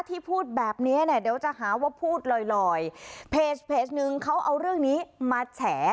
ที่พูดแบบเนี้ยเดี๋ยวจะหาว่าพูดลอยลอยเพจนึงเขาเอาเรื่องนี้มาแฉ